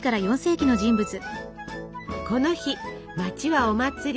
この日街はお祭り。